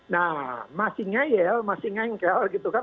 nah masih ngeyel masih ngengkel gitu kan